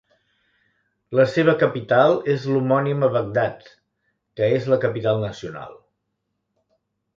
La seva capital és l'homònima Bagdad, que és la capital nacional.